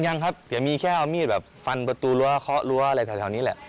ยังครับเดี๋ยวมีแค่เอามีดแบบฟันประตูรั้วเคาะรั้วอะไรแถวนี้แหละ